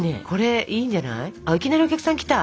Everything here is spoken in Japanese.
いきなりお客さん来た！